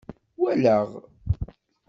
Walaɣ.